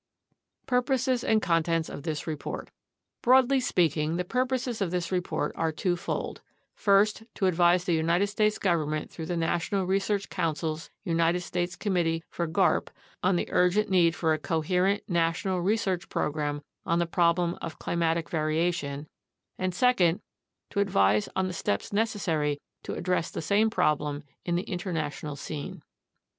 PURPOSES AND CONTENTS OF THIS REPORT Broadly speaking, the purposes of this report are twofold: first, to advise the United States Government through the National Research Council's United States Committee for garp on the urgent need for a coherent national research program on the problem of climatic variation; and, second, to advise on the steps necessary to address the same prob lem in the international scene.